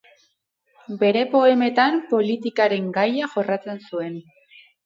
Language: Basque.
Bere poemetan politikaren gaia jorratzen zuen.